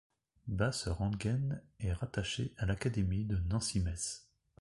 Basse-Rentgen est rattachée à l'académie de Nancy-Metz.